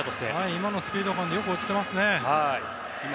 今のスピード感でよく落ちていますね。